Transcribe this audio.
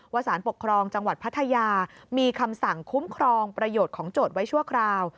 สารปกครองจังหวัดพัทยามีคำสั่งคุ้มครองประโยชน์ของโจทย์ไว้ชั่วคราว